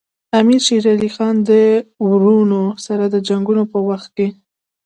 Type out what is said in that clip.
امیر شېر علي خان د وروڼو سره د جنګونو په وخت کې.